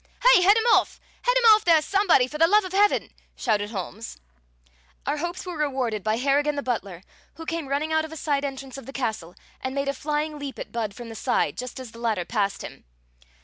"Hey! head him off! head him off there, somebody, for the love of Heaven!" shouted Holmes. Our hopes were rewarded by Harrigan the butler, who came running out of a side entrance of the castle and made a flying leap at Budd from the side, just as the latter passed him.